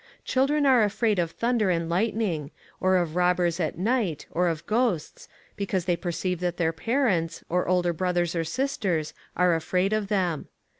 Children are afraid of thunder and lightning, or of robbers at night, or of ghosts, because they perceive that their parents, or older brothers or sisters, are afraid of them.